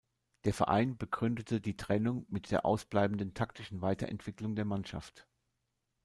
Der Verein begründete die Trennung mit der „ausbleibenden taktischen Weiterentwicklung“ der Mannschaft.